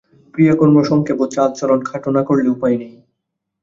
ক্রিয়াকর্ম সংক্ষেপ ও চালচলন খাটো না করলে উপায় নেই।